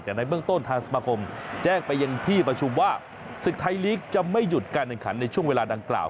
แต่ในเบื้องต้นทางสมาคมแจ้งไปยังที่ประชุมว่าศึกไทยลีกจะไม่หยุดการแข่งขันในช่วงเวลาดังกล่าว